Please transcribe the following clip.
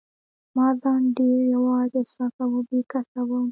ما ځان ډېر یوازي احساساوه، بې کسه وم.